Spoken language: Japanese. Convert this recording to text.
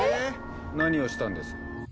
何をしたんです？